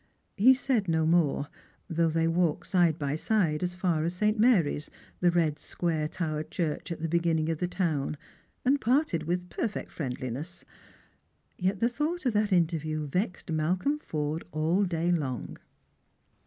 He said no more, tbouirh they walked side l/y side as fai us Slrangert and Pilgrims. 18 St. Mary's, the red square towered church at the beginning of the town, and parted with perfect friendliness. Yet the thought of that interview vexed Malcolm Forde all day long.